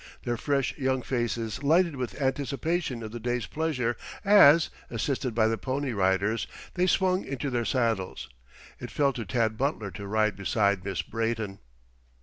Their fresh young faces lighted with anticipation of the day's pleasure as, assisted by the Pony Riders, they swung into their saddles. It fell to Tad Butler to ride beside Miss Brayton.